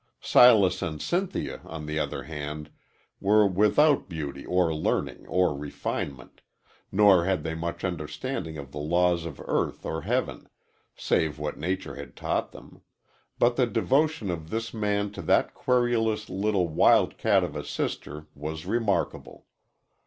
Silas and Cynthia, on the other hand, were without beauty or learning or refinement, nor had they much understanding of the laws of earth or heaven, save what nature had taught them; but the devotion of this man to that querulous little wild cat of a sister was remarkable.